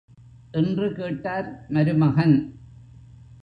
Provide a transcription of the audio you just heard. என்று கேட்டார் மருமகன்.